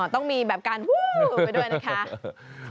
ต้องมีแบบการวูบไปด้วยนะคะ